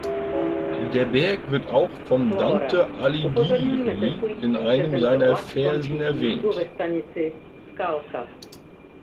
Der Berg wird auch vom Dante Alighieri in einem seiner Versen erwähnt.